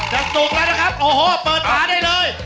จะสุกมานะครับโอ้โหเปิดฐานเถอะเลย